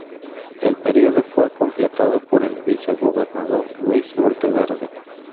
El período fue completado por el vicegobernador Luis Monteverde.